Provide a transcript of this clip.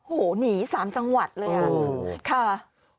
โอ้โหหนี๓จังหวัดเลยอ่ะค่ะ